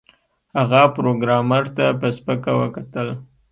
هغه پروګرامر ته په سپکه وکتل